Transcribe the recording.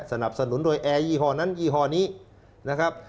สนับสนุนโดยแอร์ยี่ห้อนั้นยี่ห้อนี้นะครับ